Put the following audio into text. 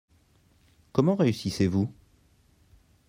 Comment réussissez-vous ?